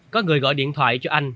có người gọi điện thoại cho anh